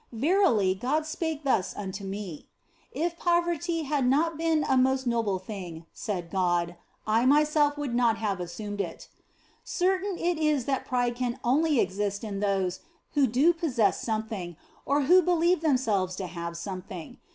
Verily, God spake thus unto me :" If poverty had not been a most noble thing (said God) I myself would not have assumed it." Certain it is that pride can only exist in those who do possess something, or who believe themselves to have something.